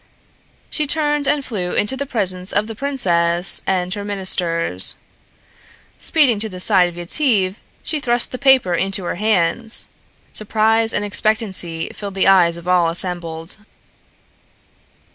She turned and flew into the presence of the princess and her ministers. Speeding to the side of Yetive, she thrust the paper into her hands. Surprise and expectancy filled the eyes of all assembled.